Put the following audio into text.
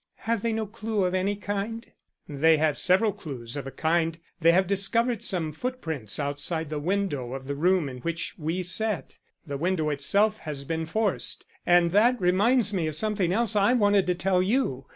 "Have they no clue of any kind?" "They have several clues of a kind. They have discovered some footprints outside the window of the room in which we sat. The window itself has been forced. And that reminds me of something else I wanted to tell you.